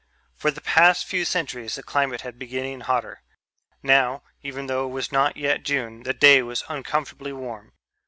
For the past few centuries the climate had been getting hotter; now, even though it was not yet June, the day was uncomfortably warm.